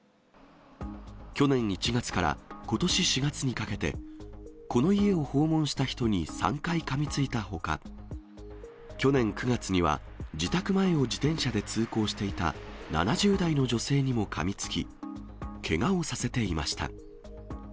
去年１月からことし４月にかけて、この家を訪問した人に３回かみついたほか、去年９月には、自宅前を自転車で通行していた７０代の女性にもかみつき、けがをさせていました。